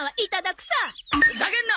ふざけんな！